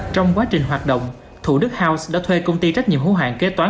trong quá trình hoạt động thủ đức house đã thuê công ty trách nhiệm hữu hạng kế toán